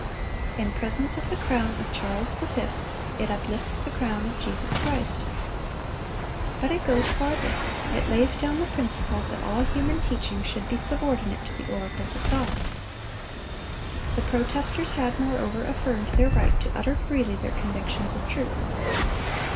_' In presence of the crown of Charles the Fifth, it uplifts the crown of Jesus Christ. But it goes farther: it lays down the principle that all human teaching should be subordinate to the oracles of God."(297) The protesters had moreover affirmed their right to utter freely their convictions of truth.